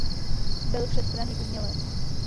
Byl všestranný umělec.